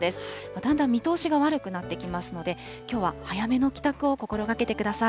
だんだん見通しが悪くなってきますので、きょうは早めの帰宅を心がけてください。